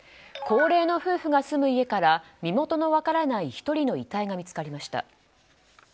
高齢の夫婦が住む家から身元の分からない１人の遺体が見つかりました。